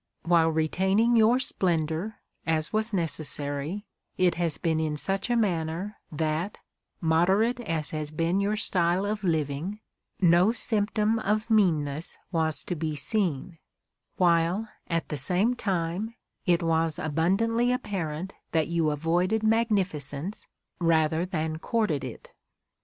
While retaining your splendour, as was necessary, it has been in such a manner, that, moderate as has been your style of living, no symptom of meanness was to be seen ; while, at the same time, it was abundantly apparent that you avoided magnificence rather than courted it.